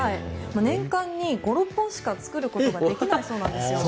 年間に、５６本しか作ることができないそうです。